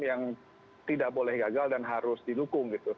yang tidak boleh gagal dan harus didukung gitu